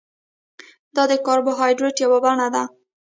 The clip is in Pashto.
دا د کاربوهایډریټ یوه بڼه ده